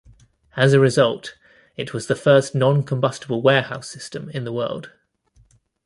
As a result, it was the first non-combustible warehouse system in the world.